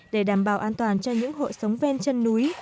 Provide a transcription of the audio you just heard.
để đảm bảo an toàn cho những hộ sống ven chân núi